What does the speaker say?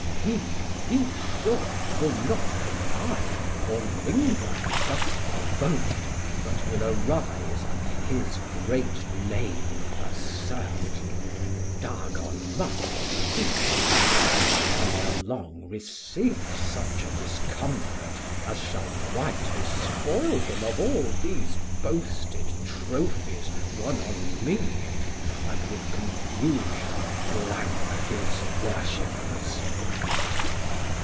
He, be sure, Will not connive, or linger, thus provok'd, But will arise and his great name assert: Dagon must stoop, and shall e're long receive Such a discomfit, as shall quite despoil him Of all these boasted Trophies won on me, 470 And with confusion blank his Worshippers.